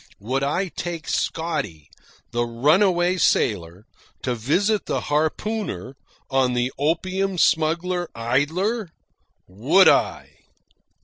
Would I take Scotty, the runaway sailor, to visit the harpooner, on the opium smuggler Idler? WOULD I!